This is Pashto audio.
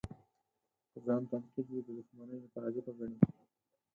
په ځان تنقید یې د دوښمنۍ مترادفه ګڼي.